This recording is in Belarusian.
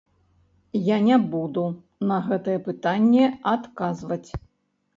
Я не буду на гэтае пытанне адказваць.